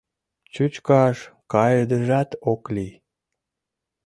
Чӱчкаш кайыдежат ок лий.